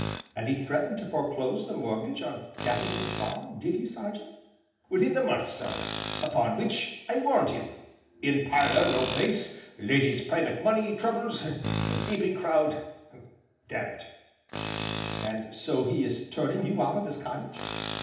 "And he threatened to foreclose the mortgage on Dapplemere Farm, did he, Sergeant!" "Within the month, sir! upon which I warned him inn parlour no place lady's private money troubles gaping crowd dammit!" "And so he is turning you out of his cottage?"